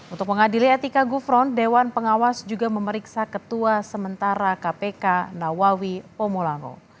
untuk mengadili etika gufron dewan pengawas juga memeriksa ketua sementara kpk nawawi omolango